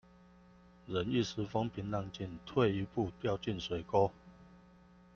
忍一時風平浪靜，退一步掉進水溝